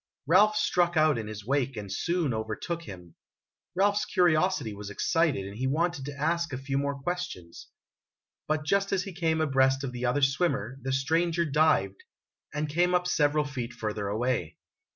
Ralph struck out in his wake, and soon overtook him ; Ralph's curiosity was excited, and he wanted to ask a few more questions. But just as he came abreast of the other swimmer, the stranger dived, and came up several feet further away.